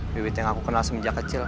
bibit yang aku kenal semenjak kecil